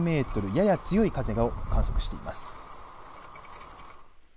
やや強い風を観測しています。